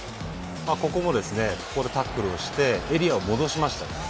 ここもタックルをしてエリアを戻しました。